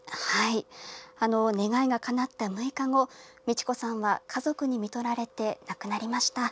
願いがかなった６日後美千子さんは家族にみとられて亡くなりました。